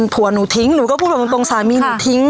ผัวหนูทิ้งหนูก็พูดแบบตรงสามีหนูทิ้ง